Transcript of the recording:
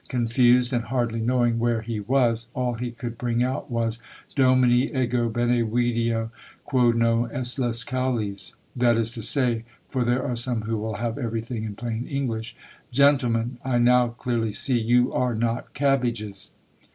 Confused, and hardly knowing where he was, all he could bring out was Domini, Ego bene video quod non eslis caules; that is to say for there are some who will have everything in plain English _Gentlemen, I now clearly see you are not cabbages!